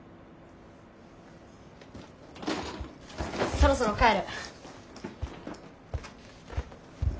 そろそろ帰る。